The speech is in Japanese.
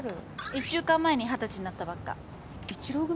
１週間前に二十歳になったばっか１浪組？